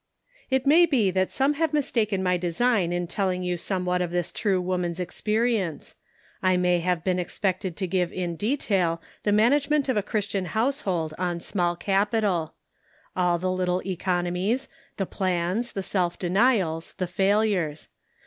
It may be that some have mistaken my de sign in telling you somewhat of this true woman's experience. I may have been expected to give in detail the management of a Christian household on small capital; all the little econo mies, the plans, the self denials, the failures.